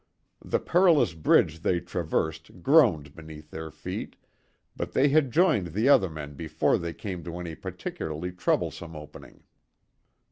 The perilous bridge they traversed groaned beneath their feet, but they had joined the other men before they came to any particularly troublesome opening.